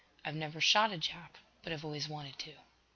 "I've never shot a Jap, but I've always wanted to."